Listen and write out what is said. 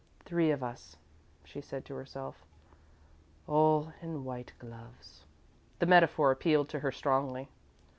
"Three of us," she said to herself, "all in white gloves." The metaphor appealed to her strongly.